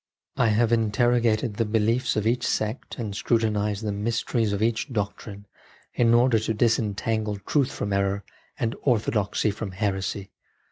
I have interrogated the beliefs of each sect and scrutinised the mysteries of each doctrine, in order to disentangle truth from error and orthodoxy from heresy.